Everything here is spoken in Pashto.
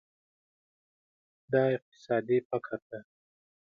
دا اقتصادي فقر ده.